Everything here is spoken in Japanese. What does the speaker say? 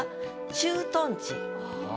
「駐屯地」。